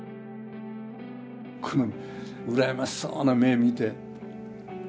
この羨ましそうな目見て。